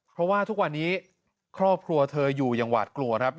เพราะว่าทุกวันนี้ครอบครัวเธออยู่อย่างหวาดกลัวครับ